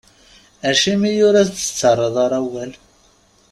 Acimi ur as-d-tettarraḍ ara awal?